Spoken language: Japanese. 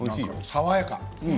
爽やか。